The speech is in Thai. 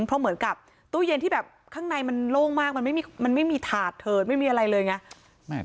เพราะเหมือนกับตู้เย็นที่แบบข้างในมันโล่งมากมันไม่มีถาดเถิดไม่มีอะไรเลยไง